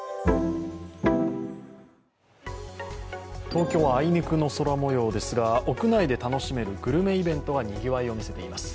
東京はあいにくの空もようですが屋内で楽しめるグルメイベントがにぎわいを見せています。